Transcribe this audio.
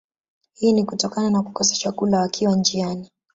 Hii ni kutokana na kukosa chakula wakiwa njiani